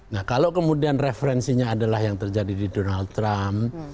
nah kalau kemudian referensinya adalah yang terjadi di donald trump